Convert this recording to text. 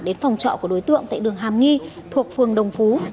đến phòng trọ của đối tượng tại đường hàm nghi thuộc phường đồng phú